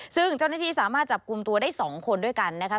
ซึ่งเจ้าหน้าที่สามารถจับกลุ่มตัวได้๒คนด้วยกันนะคะ